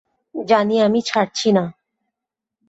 জানি আমি ছাড়ছি না।